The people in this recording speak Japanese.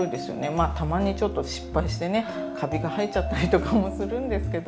たまにちょっと失敗してねかびが生えちゃったりとかもするんですけど。